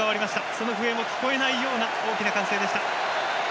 その笛も聞こえないような大きな歓声でした。